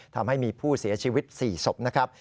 ทำให้มีผู้เสียชีวิต๔ศพนะครับ